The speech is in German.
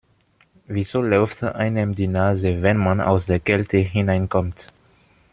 Wieso läuft einem die Nase, wenn man aus der Kälte hineinkommt?